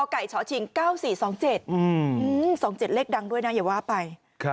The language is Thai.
ไก่ชชิง๙๔๒๗๒๗เลขดังด้วยนะอย่าว่าไป